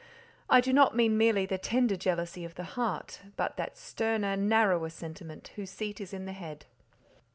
I do not mean merely the tender jealousy of the heart, but that sterner, narrower sentiment whose seat is in the head.